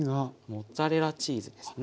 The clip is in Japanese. モッツァレラチーズですね。